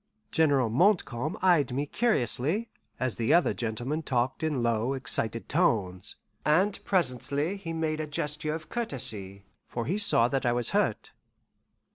General Montcalm eyed me curiously, as the other gentleman talked in low, excited tones; and presently he made a gesture of courtesy, for he saw that I was hurt.